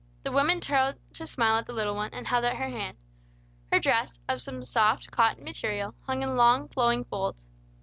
The woman turned to smile at the little one, and held out her hand. Her dress, of some soft, cotton material, hung in long flowing folds.